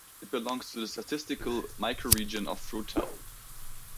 It belongs to the statistical microregion of Frutal.